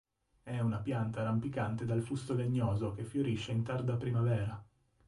È una pianta rampicante dal fusto legnoso che fiorisce in tarda primavera.